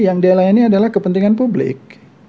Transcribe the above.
yang dia layani adalah kepentingan publik